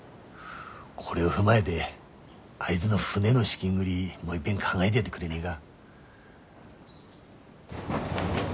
これを踏まえであいづの船の資金繰りもういっぺん考えでやってくれねえが？